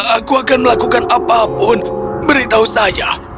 aku akan melakukan apapun beritahu saja